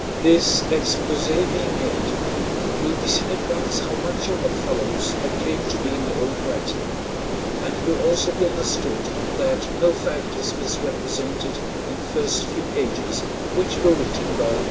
This _exposé_being made, it will be seen at once how much of what follows I claim to be my own writing; and it will also be understood that no fact is misrepresented in the first few pages which were written by Mr. Poe.